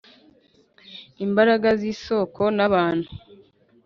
imbaraga zisoko na bantu